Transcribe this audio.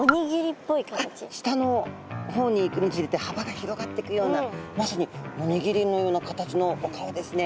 下の方にいくにつれてはばが広がってくようなまさにおにぎりのような形のお顔ですね。